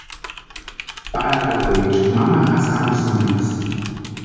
Parakatecha mamajasï jamsïntiksï.